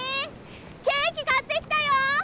ケーキ買ってきたよ！